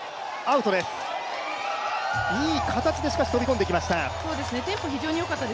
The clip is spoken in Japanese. いい形で飛び込んできました。